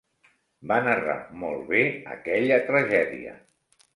Va narrar molt bé aquella tragèdia.